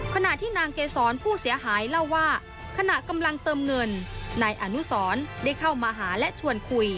ขณะที่นางเกษรผู้เสียหายเล่าว่าขณะกำลังเติมเงินนายอนุสรได้เข้ามาหาและชวนคุย